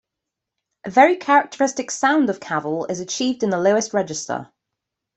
A very characteristic sound of kaval is achieved in the lowest register.